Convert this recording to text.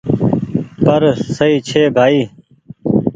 پر سئي ڇي ڀآئي ۔